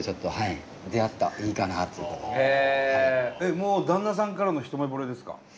もう旦那さんからの一目惚れですか？